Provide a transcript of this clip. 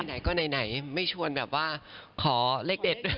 ที่ไหนก็ไหนไม่ชวนเขามาขอเลขเด็ด